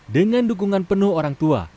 dengan dukungan penuh orang tua